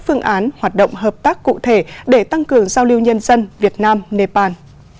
phương án hoạt động hợp tác cụ thể để tăng cường giao lưu nhân dân việt nam nepal